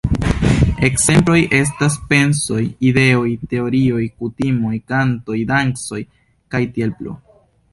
Ekzemploj estas pensoj, ideoj, teorioj, kutimoj, kantoj, dancoj kaj tiel plu.